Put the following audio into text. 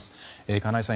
金井さん